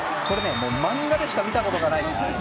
漫画でしか見たことがない。